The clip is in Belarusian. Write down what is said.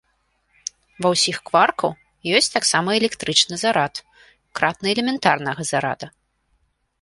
Ва ўсіх кваркаў ёсць таксама электрычны зарад, кратны элементарнага зарада.